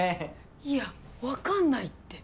いやわかんないって！